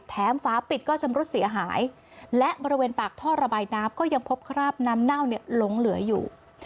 ฝาปิดก็ชำรุดเสียหายและบริเวณปากท่อระบายน้ำก็ยังพบคราบน้ำเน่าเนี่ยหลงเหลืออยู่